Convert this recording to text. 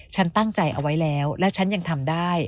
ฉันตั้งใจเอาไว้แล้วแล้วฉันยังทำได้